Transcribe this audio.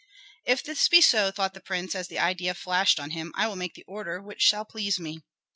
"If this be so," thought the prince, as the idea flashed on him, "I will make the order which shall please me."